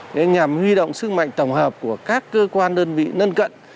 để nhằm huy động sức mạnh tổng hợp của các cơ quan đơn vị lân cận